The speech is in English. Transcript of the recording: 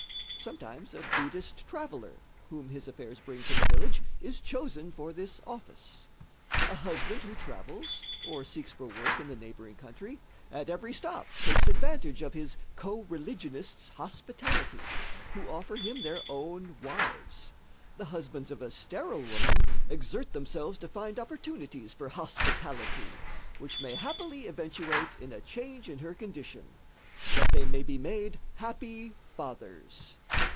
Sometimes a Buddhist traveller, whom his affairs bring to the village, is chosen for this office. A husband who travels, or seeks for work in the neighboring country, at every stop takes advantage of his co religionists' hospitality, who offer him their own wives. The husbands of a sterile woman exert themselves to find opportunities for hospitality, which may happily eventuate in a change in her condition, that they may be made happy fathers.